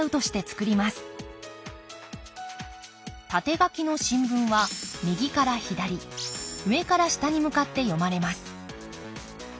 縦書きの新聞は右から左上から下に向かって読まれます